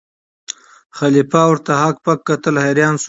خلیفه ورته هک پک کتل حیران سو